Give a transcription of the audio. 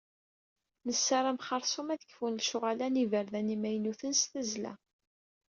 Nessaram xersum, ad kfun lecɣal n yiberdan-a imaynuten s tazzla.